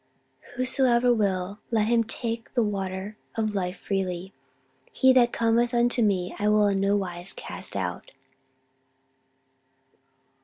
"'Whosoever will let him take the water of life freely.' 'Him that cometh unto me I will in no wise cast out.'"